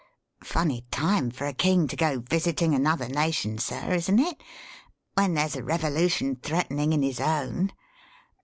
Funny time for a king to go visiting another nation, sir, isn't it, when there's a revolution threatening in his own?